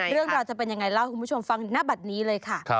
เรื่องราวจะเป็นอย่างไรเอาคุณผู้ชมฟังหน้าบัดนี้เลยค่ะ